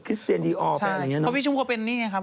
คริสเตนดีออลแบบอย่างนี้เนอะใช่พอพี่ชมพุก็เป็นนี่ไงครับ